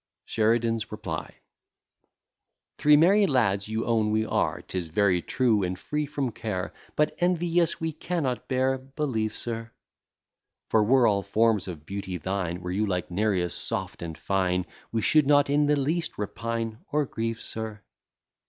SHERIDAN'S REPLY Three merry lads you own we are; 'Tis very true, and free from care: But envious we cannot bear, believe, sir: For, were all forms of beauty thine, Were you like Nereus soft and fine, We should not in the least repine, or grieve, sir.